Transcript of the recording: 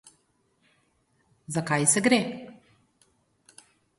Za kaj se gre?